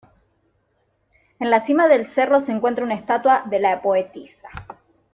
En la cima del cerro se encuentra una estatua de la poetisa.